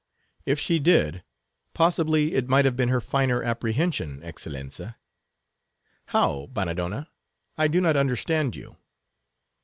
"If she did, possibly, it might have been her finer apprehension, Excellenza." "How, Bannadonna? I do not understand you."